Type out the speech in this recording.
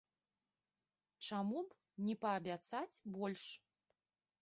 Чаму б не паабяцаць больш?